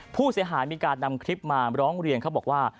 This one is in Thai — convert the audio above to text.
ผู้เสียหายมีการนำคลิปมาร้องเรียนเขาบอกว่า